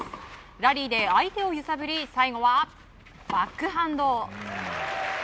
ラリーで相手を揺さぶり最後はバックハンド。